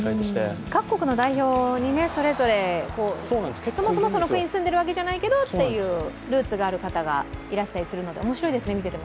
各国の代表にそれぞれ、その国に住んでいるわけじゃないけどという、ルーツがある方がいらしたりするので、見ていても面白いですね。